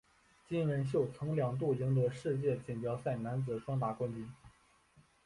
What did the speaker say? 金文秀曾经两度赢得世界锦标赛男子双打冠军。